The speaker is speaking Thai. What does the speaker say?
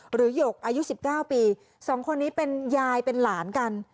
หยกอายุ๑๙ปี๒คนนี้เป็นยายเป็นหลานกัน